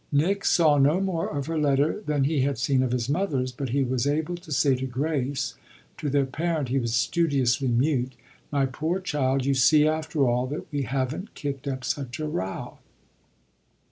Nick saw no more of her letter than he had seen of his mother's, but he was able to say to Grace to their parent he was studiously mute "My poor child, you see after all that we haven't kicked up such a row."